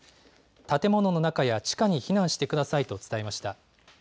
建物の中や地下に避難してくださいと伝えました。